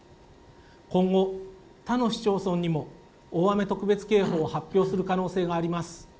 今後、他の市町村にも大雨特別警報を発表する可能性があります。